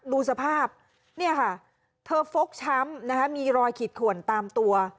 ดูสภาพนี่ค่ะเธอฟกช้ำมีรอยขิดข่วนตามตัว